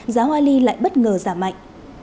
giá hoa ly lại bất ngờ giảm mạnh